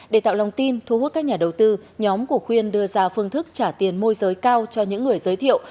để tạo lòng tin thu hút các nhà đầu tư nhóm của khuyên đưa ra phương thức trả tiền môi giới cao cho những người giới thiệu